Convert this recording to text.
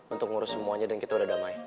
untuk ngurus semuanya dan kita udah damai